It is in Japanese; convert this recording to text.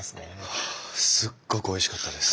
はあすっごくおいしかったです。